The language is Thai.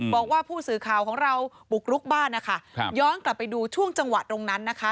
บอกว่าผู้สื่อข่าวของเราบุกรุกบ้านนะคะย้อนกลับไปดูช่วงจังหวะตรงนั้นนะคะ